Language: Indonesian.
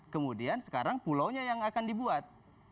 kemudian sekarang pulaunya yang akan dibuat